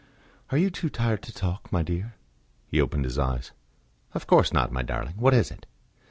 "Are you too tired to talk, my dear?" He opened his eyes. "Of course not, my darling. What is it?"